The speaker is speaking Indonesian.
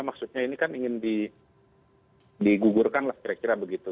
maksudnya ini kan ingin digugurkan lah kira kira begitu